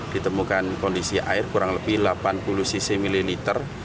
ditemukan kondisi air kurang lebih delapan puluh cc mililiter